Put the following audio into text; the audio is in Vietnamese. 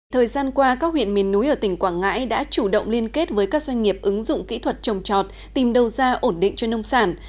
thời gian qua các huyện miền núi ở tỉnh quảng ngãi đã chủ động liên kết với các doanh nghiệp ứng dụng kỹ thuật trồng trọt tìm đầu ra ổn định cho nông sản